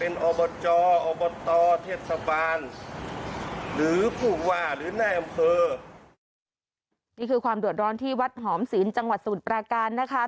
นี่คือความเดือดร้อนที่วัดหอมศีลจังหวัดสมุทรปราการนะคะ